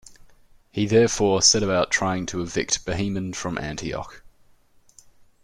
He therefore set about trying to evict Bohemond from Antioch.